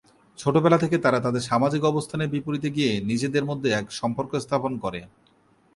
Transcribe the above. ছেলেবেলা থেকে তারা তাদের সামাজিক অবস্থানের বিপরীতে গিয়ে নিজেদের মধ্যে এক সম্পর্ক স্থাপন করে।